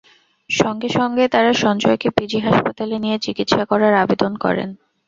সঙ্গে সঙ্গে তারা সঞ্জয়কে পিজি হাসপাতালে নিয়ে চিকিৎসা করার আবেদন করেন।